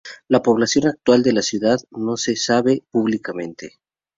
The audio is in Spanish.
La población actual de la ciudad no se sabe públicamente.